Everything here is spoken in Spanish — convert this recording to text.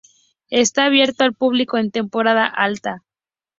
Está abierto al público en temporada alta.